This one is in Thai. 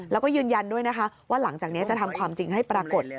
แล้วก็ยืนยันด้วยนะคะว่าหลังจากนี้จะทำความจริงให้ปรากฏ